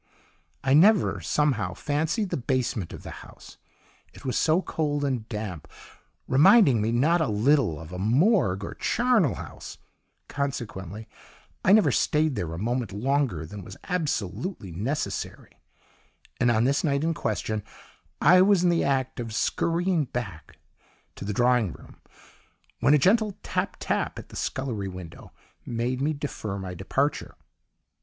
"I never, somehow, fancied the basement of the house; it was so cold and damp, reminding me not a little of a MORGUE or charnel house; consequently I never stayed there a moment longer than was absolutely necessary, and on this night in question I was in the act of scurrying back to the drawing room when a gentle tap! tap! at the scullery window made me defer my departure.